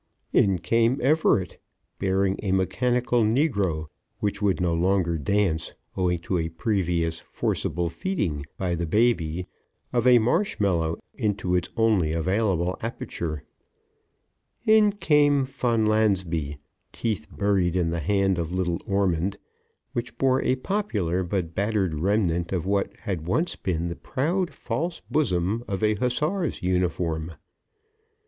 In came Everett, bearing a mechanical negro which would no longer dance, owing to a previous forcible feeding by the baby of a marshmallow into its only available aperture. In came Fonlansbee, teeth buried in the hand of little Ormond, which bore a popular but battered remnant of what had once been the proud false bosom of a hussar's uniform.